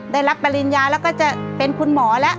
ได้รับปริญญาแล้วก็จะเป็นคุณหมอแล้ว